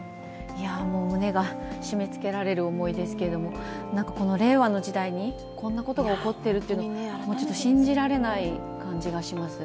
もう胸が締めつけられる思いですけれども令和の時代に、こんなことが起こっているのが信じられない感じがします。